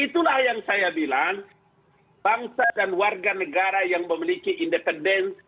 itulah yang saya bilang bangsa dan warga negara yang memiliki independen